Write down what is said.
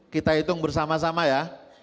kita hitung bersama sama ya